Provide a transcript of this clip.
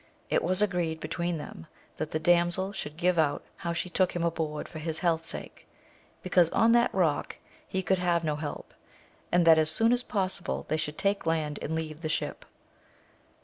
It was agreed between them, that the damsel should give out how she took AMADIS OF GAUL. 5 lum aboard for his health sake, because on that Kock he could have no help, and that as soon as possible they should take land, and leave the ship.